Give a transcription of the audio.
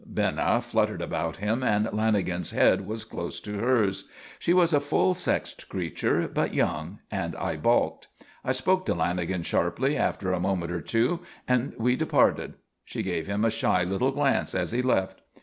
Bina fluttered about him and Lanagan's head was close to hers. She was a full sexed creature but young; and I balked. I spoke to Lanagan sharply after a moment or two and we departed. She gave him a shy little glance as he left.